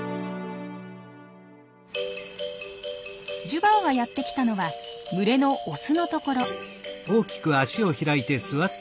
ジュバオがやってきたのは群れのオスのところ。